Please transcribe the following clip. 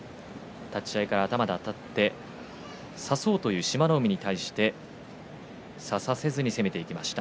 立ち合いから頭であたって差そうという志摩ノ海に対して差させずに攻めていきました。